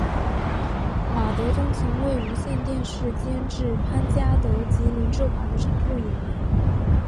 马德钟曾为无线电视监制潘嘉德及林志华的常用演员。